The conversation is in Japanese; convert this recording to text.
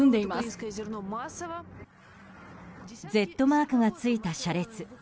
Ｚマークがついた車列。